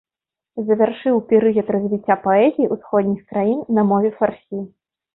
Завяршыў перыяд развіцця паэзіі ўсходніх краін на мове фарсі.